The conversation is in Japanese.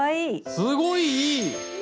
すごいいい！